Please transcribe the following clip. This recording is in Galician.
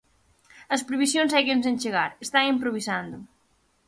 As previsións seguen sen chegar, están improvisando.